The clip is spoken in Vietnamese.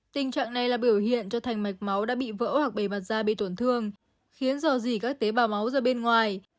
tình trạng này là biểu hiện cho thành mạch máu đã bị vỡ hoặc bề mặt da bị tổn thương khiến dò dỉ các tế bào máu ra bên ngoài